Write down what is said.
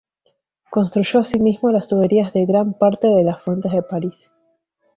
Construyó asimismo las tuberías de gran parte de las fuentes de París.